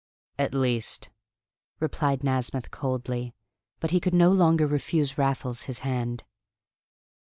"At least," replied Nasmyth coldly; but he could no longer refuse Raffles his hand.